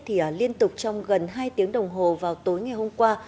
thì liên tục trong gần hai tiếng đồng hồ vào tối ngày hôm qua